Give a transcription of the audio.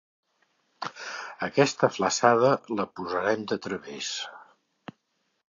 Aquesta flassada, la posarem de través.